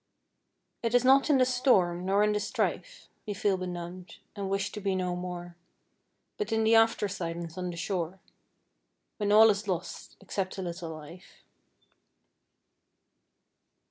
It is not in the storm nor in the strife We feel benumbed, and wish to be no more, But in the after silence on the shore, When all is lost, except a little life.